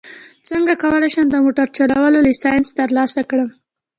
څنګه کولی شم د موټر چلولو لایسنس ترلاسه کړم